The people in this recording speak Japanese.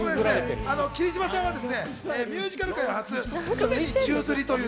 霧島さんはミュージカル界初、常に宙吊りという。